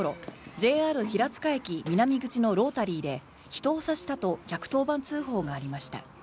ＪＲ平塚駅南口のロータリーで人を刺したと１１０番通報がありました。